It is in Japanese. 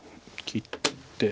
切って。